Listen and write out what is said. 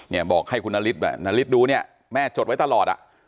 เนี่ยบอกให้คุณนฤทธิ์ไว้นฤทธิ์ดูเนี่ยแม่จดไว้ตลอดอ่ะ